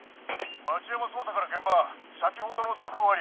町山捜査から現場先ほどの続報あり。